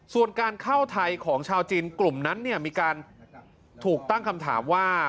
ส่วนการเข้าไทยของชาวจีนกลุ่มนั้นมีการถูกตั้งคำถามว่า